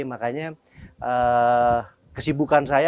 makanya kesibukan saya